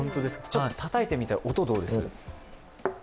ちょっとたたいてみて、音、どうですか？